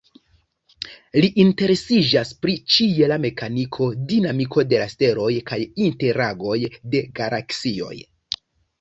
Li interesiĝas pri ĉiela mekaniko, dinamiko de la steloj kaj interagoj de galaksioj.